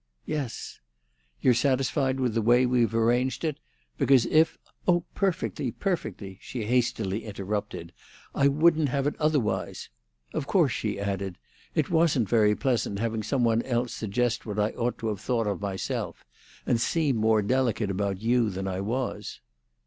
"Yes." "You're satisfied with the way we've arranged it? Because if—" "Oh, perfectly—perfectly!" She hastily interrupted. "I wouldn't have it otherwise. Of course," she added, "it wasn't very pleasant having some one else suggest what I ought to have thought of myself, and seem more delicate about you than I was."